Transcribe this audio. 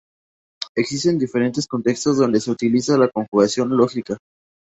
Existen diferentes contextos donde se utiliza la conjunción lógica.